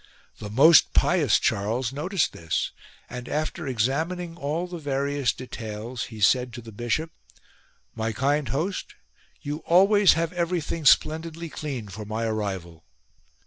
The most pious Charles noticed this, and after examining all the various details, he said to the bishop :" My kind host, you always have everything splendidly cleaned for my arrival."